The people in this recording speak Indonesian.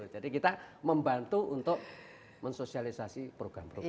jadi kita membantu untuk mensosialisasi program program